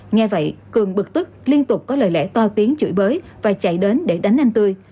nghe vậy cường bực tức liên tục có lời lẽ to tiếng chửi bới và chạy đến để đánh anh tươi